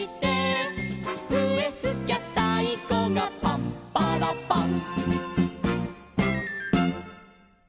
「ふえふきゃたいこがパンパラパン」